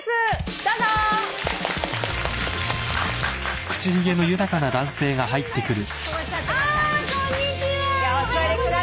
どうもこんにちは。